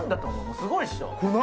すごいでしょ。